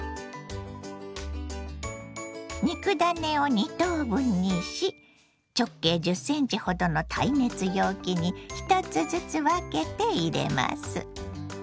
肉ダネを２等分にし直径１０ｃｍほどの耐熱容器に１つずつ分けて入れます。